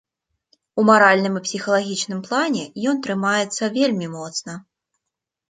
У маральным і псіхалагічным плане ён трымаецца вельмі моцна.